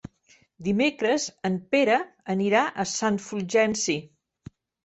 Dimecres en Pere anirà a Sant Fulgenci.